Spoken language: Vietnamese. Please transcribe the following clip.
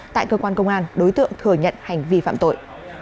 tại cơ quan công an đối tượng thừa nhận hành vi phạm tội